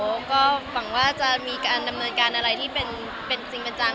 โอ้ก็มันคงว่าจะมีการบริเวณการอะไรที่เป็นจริงเป็นจัง